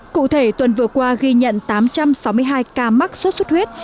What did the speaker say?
cụ thể tuần vừa qua ghi nhận tám trăm sáu mươi hai ca mắc sốt xuất huyết